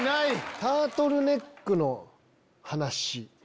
「タートルネックの話」。